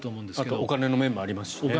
あとお金の面もありますしね。